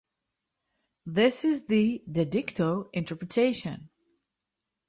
This is the "de dicto" interpretation.